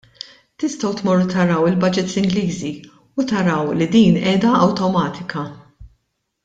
Tistgħu tmorru taraw il-budgets Ingliżi u taraw li din qiegħda awtomatika.